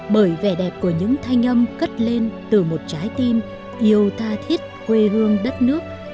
bởi vẻ đẹp của những thanh âm cất lên từ một trái tim yêu tha thiết quê hương đất nước